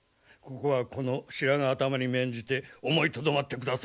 ここはこの白髪頭に免じて思いとどまってくだされ。